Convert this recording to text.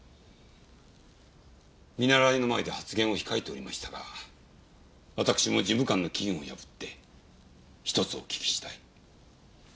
見習いの前で発言を控えておりましたがわたくしも事務官の禁を破って１つお聞きしたい。